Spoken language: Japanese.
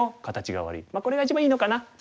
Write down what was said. まあこれが一番いいのかな。